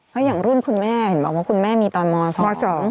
เพราะอย่างรุ่นคุณแม่เห็นบอกว่าคุณแม่มีตอนม๒ม๒